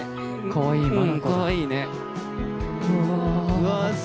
かわいいな。